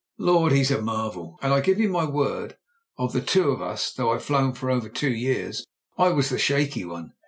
Lord ! he's a marvel. And I give you my word that of the two of us — ^though I've flown for over two years — ^I was the shaky one.